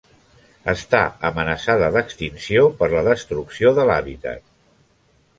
Està amenaçada d'extinció per la destrucció de l'hàbitat.